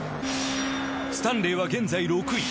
スタンレーは現在６位。